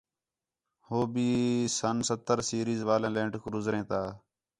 ہو بھی سن ستّر سیریز والیاں لینڈ کروزریں تا